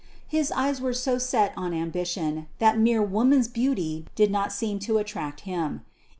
His eyes were so set on ambition that mere woman's beauty did not seem to attract him.